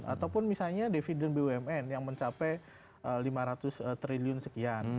ataupun misalnya dividend bumn yang mencapai lima ratus triliun sekian